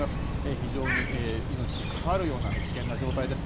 非常に命に関わるような危険な状態です。